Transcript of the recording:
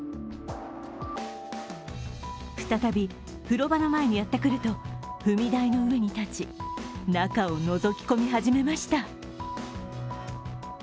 再び、風呂場の前にやってくると踏み台の上に立ち、中をのぞき込み始めました。